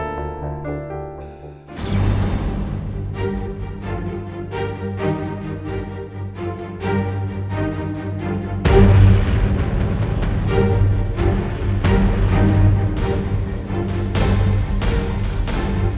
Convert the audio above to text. belum pedagang tilt